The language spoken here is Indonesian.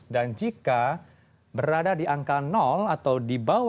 dan jika berada di angka atau di bawah angka seratus tentunya korupsinya merajuk